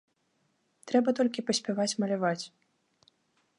Трэба толькі паспяваць маляваць.